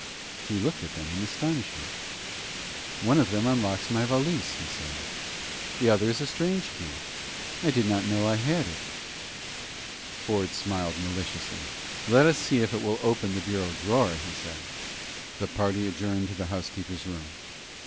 He looked at them in astonishment. "One of them unlocks my valise," he said. "The other is a strange key. I did not know I had it." Ford smiled maliciously. "Let us see if it will open the bureau drawer," he said. The party adjourned to the housekeeper's room.